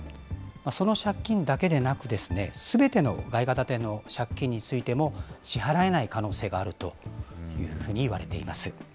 その借金だけでなく、すべての外貨建ての借金についても、支払えない可能性があるというふうにいわれています。